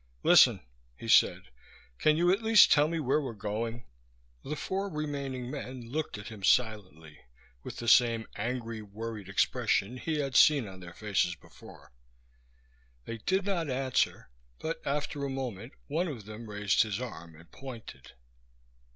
"Listen," he said, "can you at least tell me where I'm going?" The four remaining men looked at him silently, with the same angry, worried expression he had seen on their faces before. They did not answer, but after a moment one of them raised his arm and pointed.